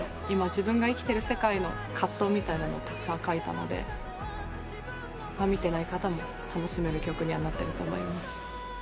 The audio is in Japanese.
今自分が生きてる世界の葛藤みたいなのをたくさん書いたので見てない方も楽しめる曲にはなってると思います。